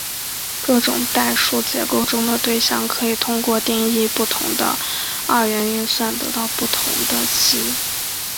各种代数结构中的对象可以通过定义不同的二元运算得到不同的积。